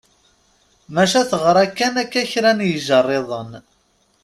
Maca teɣra kan akka kra n yijerriden.